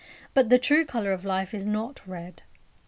But the true colour of life is not red.